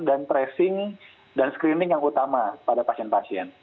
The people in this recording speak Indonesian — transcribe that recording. dan tracing dan screening yang utama pada pasien pasien